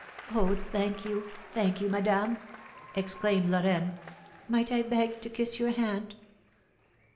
"Oh, thank you thank you, madame!" exclaimed Lorraine. "Might I beg to kiss your hand?"